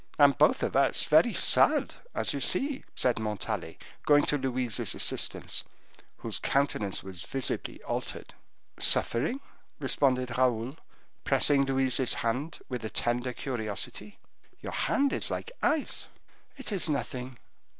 "And both of us very sad, as you see," said Montalais, going to Louise's assistance, whose countenance was visibly altered. "Suffering?" responded Raoul, pressing Louise's hand with a tender curiosity. "Your hand is like ice." "It is nothing."